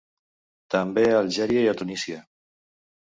També a Algèria i a Tunísia.